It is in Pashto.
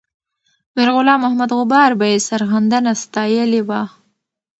میرغلام محمد غبار به یې سرښندنه ستایلې وه.